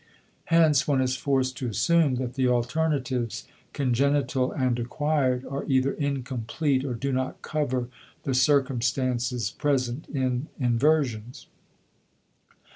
Hence, one is forced to assume that the alternatives congenital and acquired are either incomplete or do not cover the circumstances present in inversions.